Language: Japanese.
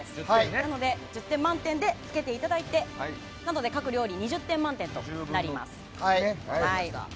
なので１０点満点でつけていただいて各料理２０点満点となります。